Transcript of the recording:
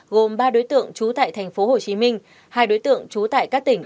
gồm ba đối tượng trú tại thành phố hồ chí minh hai đối tượng trú tại các tỉnh